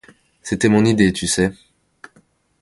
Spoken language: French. C’était mon idée, tu sais…